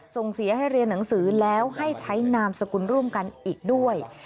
ส่งเสียให้เรียนหนังสือแล้วให้ใช้นามสกุลร่วมกันอีกด้วย